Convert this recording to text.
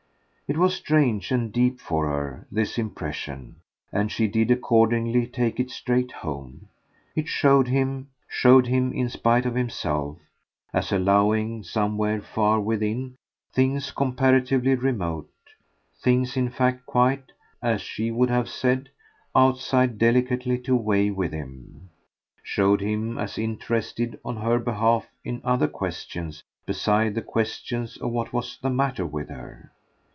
It was strange and deep for her, this impression, and she did accordingly take it straight home. It showed him showed him in spite of himself as allowing, somewhere far within, things comparatively remote, things in fact quite, as she would have said, outside, delicately to weigh with him; showed him as interested on her behalf in other questions beside the question of what was the matter with her.